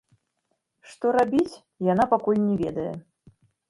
Што рабіць, яна пакуль не ведае.